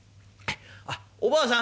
あっおばあさん